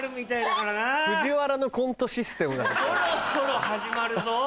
そろそろ始まるぞ。